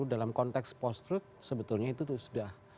dalam konteks post truth sebetulnya itu sudah